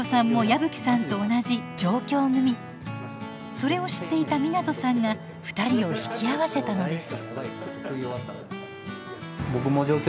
それを知っていた湊さんが２人を引き合わせたのです。